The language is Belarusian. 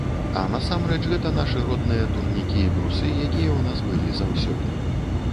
А насамрэч, гэта нашы родныя турнікі і брусы, якія ў нас былі заўсёды.